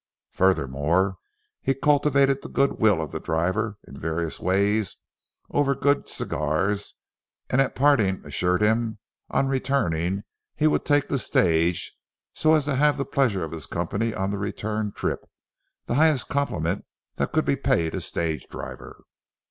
Furthermore, he cultivated the good will of the driver in various ways over good cigars, and at parting assured him on returning he would take the stage so as to have the pleasure of his company on the return trip—the highest compliment that could be paid a stage driver.